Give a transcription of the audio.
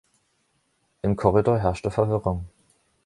Im Korridor herrschte Verwirrung.